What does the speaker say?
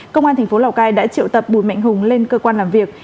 công an thành phố lào cai đã triệu tập bùi mạnh hùng lên cơ quan làm việc